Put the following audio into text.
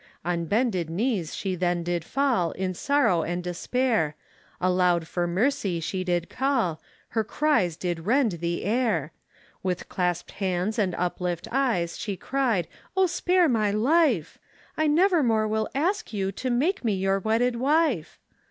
On bended knees she then did fall, In sorrow and despair, Aloud for mercy she did call, Her cries did rend the air; With clasped hands and uplift eyes She cried, Oh spare my life, I never more will ask you To make me your wedded wife.